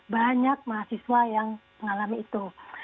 banyak mahasiswa yang mengalami itu